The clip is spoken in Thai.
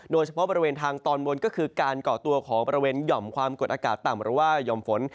โดยเฉพาะบริเวณทางตอนบนก็คือการก่อตัวของบริเวณหย่อมความกดอากาศต่ำหรือว่าหย่อมฝน